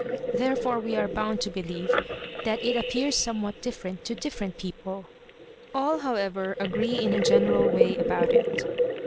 Therefore we are bound to believe that it appears somewhat different to different people. All, however, agree in a general way about it.